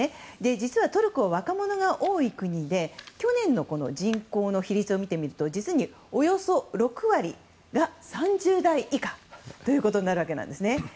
実はトルコは若者が多い国で去年の人口の比率を見てみると実におよそ６割が３０代以下ということになるわけなんですね。